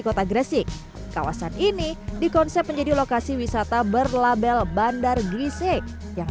kota gresik kawasan ini dikonsep menjadi lokasi wisata berlabel bandar gresik yang